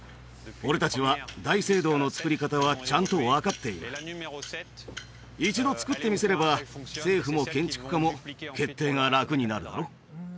俺達は大聖堂の造り方はちゃんと分かっている一度造ってみせれば政府も建築家も決定が楽になるだろう